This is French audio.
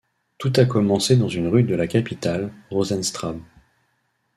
Tout a commencé dans une rue de la capitale, Rosenstraße...